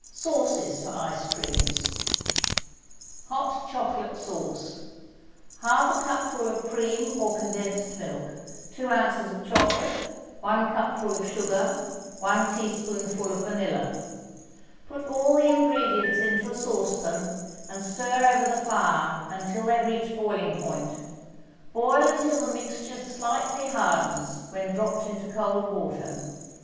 SAUCES FOR ICE CREAMS HOT CHOCOLATE SAUCE 1/2 cupful of cream or condensed milk 2 ounces of chocolate 1 cupful of sugar 1 teaspoonful of vanilla Put all the ingredients into a saucepan and stir over the fire until they reach boiling point, boil until the mixture slightly hardens when dropped into cold water.